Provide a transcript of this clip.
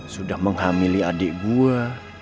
sudah menghamili adik gue